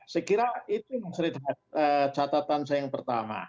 sekiranya itu mas ridha catatan saya yang pertama